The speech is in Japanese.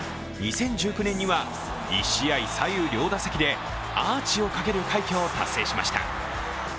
２０１９年には、１試合左右両打席でアーチをかける快挙を達成しました。